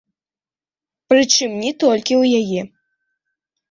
Прычым не толькі ў яе.